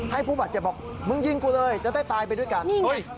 ให้ผู้บาดเจ็บบอกมึงยิงกูเลยในระดับนี้กัน